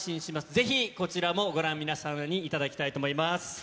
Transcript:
ぜひ、こちらもご覧、皆様にいただきたいと思います。